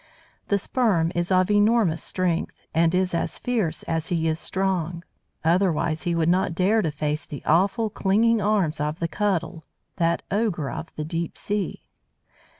The Sperm is of enormous strength, and is as fierce as he is strong. Otherwise he would not dare to face the awful, clinging arms of the Cuttle, that ogre of the deep sea.